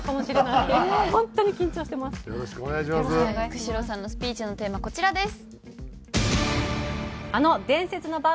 久代さんのスピーチのテーマこちらです。